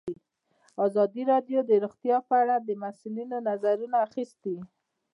ازادي راډیو د روغتیا په اړه د مسؤلینو نظرونه اخیستي.